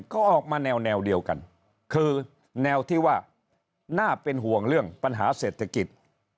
ก็ออกมาแนวเดียวกันคือแนวที่ว่าน่าเป็นห่วงเรื่องปัญหาเศรษฐกิจ